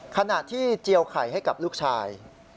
ขณะที่เจียวไข่ให้กับลูกชาย